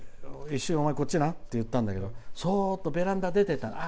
お前、こっちなって言ったんだけどそーっとベランダ出ていった。